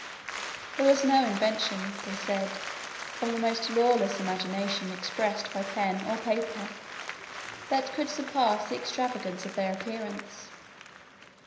There was no invention, they said, of the most lawless imagination expressed by pen or pencil, that could surpass the extravagance of their appearance.